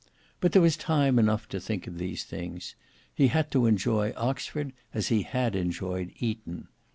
But there was time enough to think of these things. He had to enjoy Oxford as he had enjoyed Eton.